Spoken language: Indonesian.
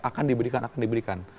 akan diberikan akan diberikan